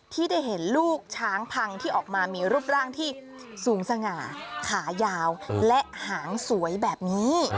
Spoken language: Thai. ที่ได้เห็นลูกช้างพังที่ออกมามีรูปร่างที่สูงสง่าขายาวและหางสวยแบบนี้